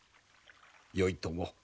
よいとも。